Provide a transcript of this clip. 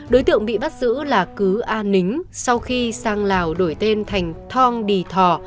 đối tượng bị bắt giữ là cứ an nính sau khi sang lào đổi tên thành thong đì thò